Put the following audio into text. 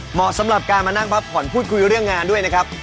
เหมาะสำหรับการมานั่งพักผ่อนพูดคุยเรื่องงานด้วยนะครับ